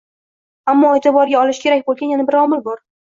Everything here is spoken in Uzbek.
Ammo e'tiborga olish kerak bo'lgan yana bir omil bor